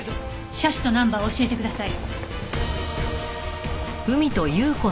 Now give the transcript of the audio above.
車種とナンバー教えてください。